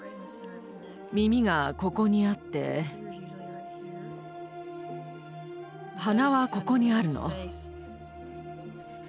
耳がここにあって鼻はここにあるの。